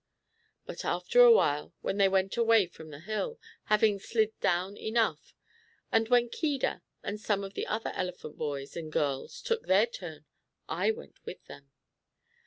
But, after a while, when they went away from the hill, having slid down enough, and when Keedah, and some of the other elephant boys and girls, took their turn, I went with them.